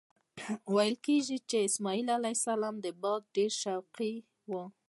ویل کېږي چې سلیمان علیه السلام د ابادۍ ډېر شوقي و.